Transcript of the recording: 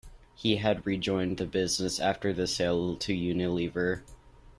He had rejoined the business after the sale to Unilever.